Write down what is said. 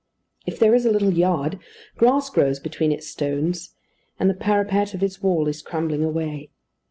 If there is a little yard, grass grows between its stones; and the parapet of its wall is crumbling away.